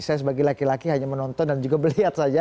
saya sebagai laki laki hanya menonton dan juga melihat saja